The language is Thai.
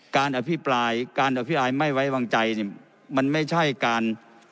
การอภิปรายไม่ไว้วางใจเนี่ย